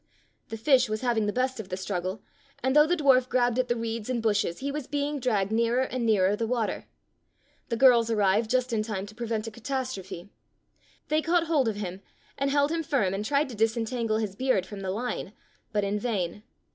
The fish was having the best of the struggle, and though the dwarf grabbed at 43 Fairy Tale Bears the reeds and bushes, he was being dragged nearer and nearer the water. The girls ar rived just in time to prevent a catastrophe. They caught hold of him, and held him firm and tried to disentangle his beard from the line, but in vain.